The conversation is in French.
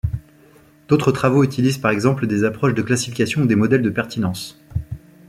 D'autres travaux utilisent par exemple des approches de classification ou des modèles de pertinences.